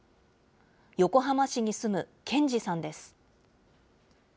横浜市に住む健二さんです。